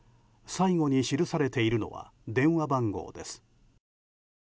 最後に記されているのは電話番号です。